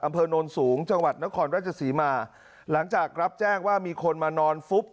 โน้นสูงจังหวัดนครราชศรีมาหลังจากรับแจ้งว่ามีคนมานอนฟุบ